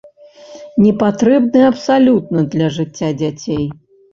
Непатрэбны абсалютна для жыцця дзяцей.